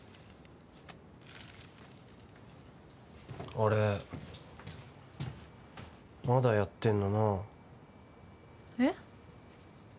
あれまだやってんのなえっ？